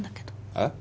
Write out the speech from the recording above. えっ？